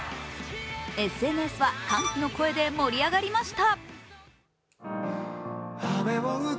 ＳＮＳは歓喜の声で盛り上がりました。